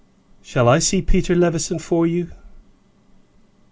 "Shall I see Sir Peter Levison for you?"